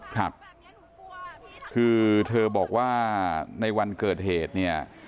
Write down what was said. ครับคือเธอบอกว่าในวันเกิดเหตุเนี่ย